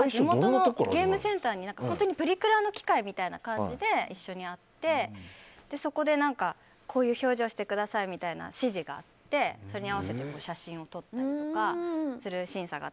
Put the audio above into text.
ゲームセンターに本当にプリクラの機械みたいな感じで一緒にあってそこで、こういう表情をしてくださいみたいな指示があってそれに合わせて写真を撮ったりとかする審査が。